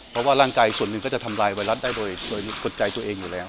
เพราะว่าร่างกายส่วนหนึ่งก็จะทำลายไวรัสได้โดยกดใจตัวเองอยู่แล้ว